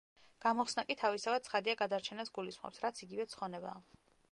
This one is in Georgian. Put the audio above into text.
გამოხსნა კი, თავისთავად ცხადია, გადარჩენას გულისხმობს, რაც იგივე ცხონებაა.